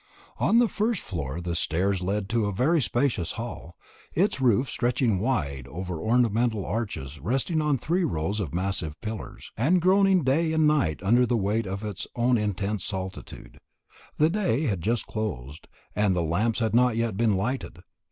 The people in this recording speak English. On the first floor the stairs led to a very spacious hall, its roof stretching wide over ornamental arches resting on three rows of massive pillars, and groaning day and night under the weight of its own intense solitude. The day had just closed, and the lamps had not yet been lighted.